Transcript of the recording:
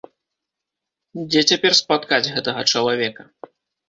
Дзе цяпер спаткаць гэтага чалавека?